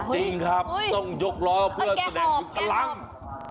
จริงครับต้องยกล้อเพื่อแสดงพลังแกหอบ